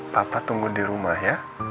papa tunggu di rumah ya